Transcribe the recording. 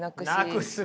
なくす。